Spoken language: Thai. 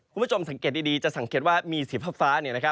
คุณผู้ชมสังเกตดีจะสังเกตว่ามีสีฟ้า